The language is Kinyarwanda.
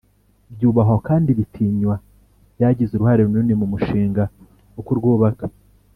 byubahwa kandi bitinywa byagize uruhare runini mu mushinga wo kurwubaka.